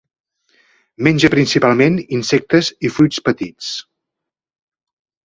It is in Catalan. Menja principalment insectes i fruits petits.